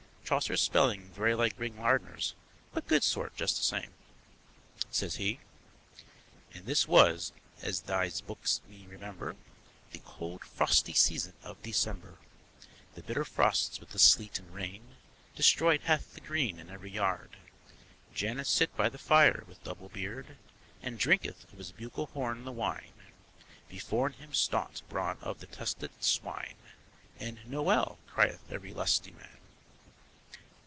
Chaucer's spelling very like Ring Lardner's, but good sort just the same. Says he: And this was, as thise bookes me remembre, The colde, frosty sesoun of Decembre.... The bittre frostes with the sleet and reyn Destroyed hath the grene in every yard; Janus sit by the fyre with double beard, And drynketh of his bugle horn the wyn; Biforn hym stant brawn of the tusked swyn, And "Nowel" crieth every lusty man.